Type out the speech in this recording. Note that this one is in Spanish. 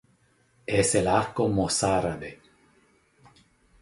Es el arco mozárabe.